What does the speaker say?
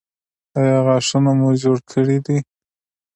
ایا غاښونه مو جوړ کړي دي؟